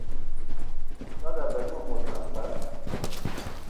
Sɔndɔ a bəle məmos samgbal.